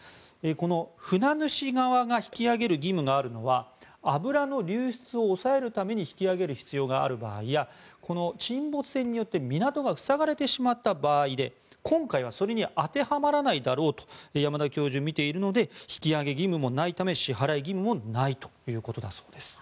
この船主側が引き揚げる義務があるのは油の流出を抑えるために引き揚げる必要がある場合や沈没船によって港が塞がれてしまった場合で今回はそれに当てはまらないだろうと山田教授は見ているので引き揚げ義務もないため支払い義務もないということです。